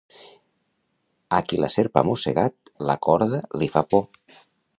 A qui la serp ha mossegat, la corda li fa por.